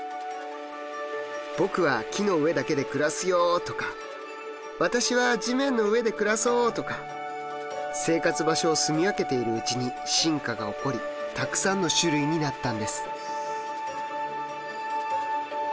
「僕は木の上だけで暮らすよ」とか「私は地面の上で暮らそう」とか生活場所を住み分けているうちに進化が起こりたくさんの種類になったんです。